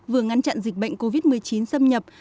vừa ngăn chặn dịch bệnh covid một mươi chín xâm nhập